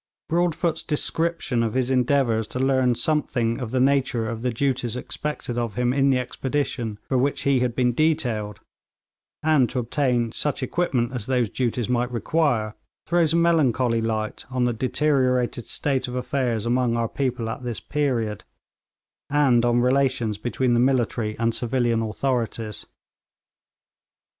Broadfoot's description of his endeavours to learn something of the nature of the duties expected of him in the expedition for which he had been detailed, and to obtain such equipment as those duties might require, throws a melancholy light on the deteriorated state of affairs among our people at this period, and on the relations between the military and civilian authorities.